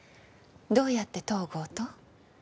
どうやって東郷と？